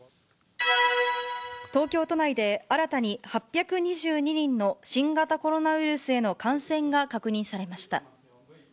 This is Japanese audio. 東京都内で新たに８２２人の新型コロナウイルスへの感染が確認されました。